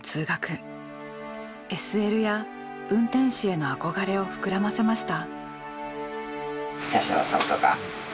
ＳＬや運転士への憧れを膨らませました。